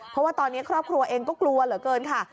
เพราะว่าตอนนี้ครอบครัวเองก็กลัวเหลือเกินค่ะ